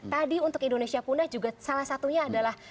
tadi untuk indonesia punah juga salah satunya adalah